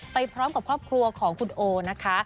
ไปพร้อมกับครอบครัวของคุณโอนะคะ